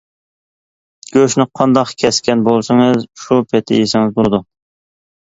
گۆشنى قانداق كەسكەن بولسىڭىز، شۇ پېتى يېسىڭىز بولىدۇ.